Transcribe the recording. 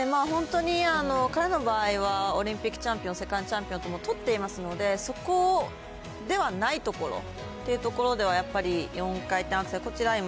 本当に彼の場合はオリンピックチャンピオン、世界チャンピオンとも取っていますので、そこではないところというところを、やっぱり４回転アクセル、こちら